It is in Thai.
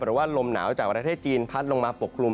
หรือว่าลมหนาวจากประเทศจีนพัดลงมาปกกลุ่ม